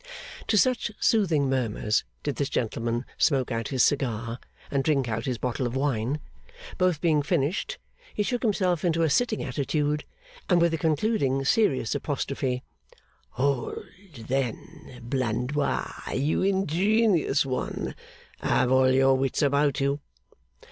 To such soothing murmurs did this gentleman smoke out his cigar and drink out his bottle of wine. Both being finished, he shook himself into a sitting attitude; and with the concluding serious apostrophe, 'Hold, then! Blandois, you ingenious one, have all your wits about you!